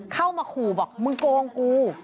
เข้ามาขู่บอกมึงโกงกู